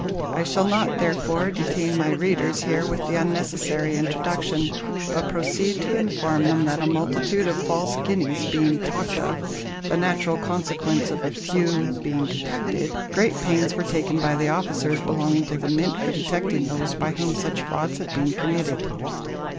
I shall not, therefore, detain my readers here with the unnecessary introduction, but proceed to inform them that a multitude of false guineas being talked of the natural consequence of a few being detected great pains were taken by the officers belonging to the Mint for detecting those by whom such frauds had been committed.